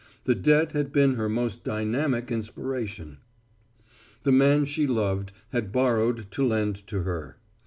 The debt had been her most dynamic inspiration. The man she loved had borrowed to lend to her.